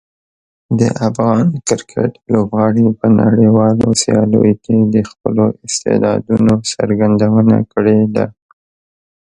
د افغان کرکټ لوبغاړي په نړیوالو سیالیو کې د خپلو استعدادونو څرګندونه کړې ده.